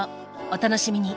お楽しみに